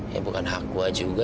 ya bukan hak gua juga